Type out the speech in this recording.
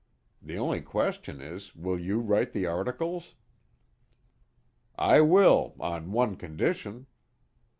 The only question is, will you write the articles?" "I will, on one condition."